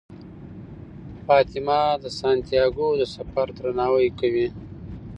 فاطمه د سانتیاګو د سفر درناوی کوي.